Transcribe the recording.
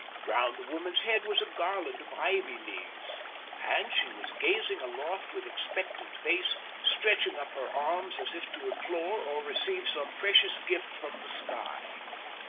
Round the woman's head was a garland of ivy leaves, and she was gazing aloft with expectant face, stretching up her arms, as if to implore or receive some precious gift from the sky.